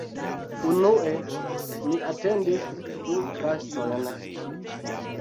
Unue ni atendis du gastojn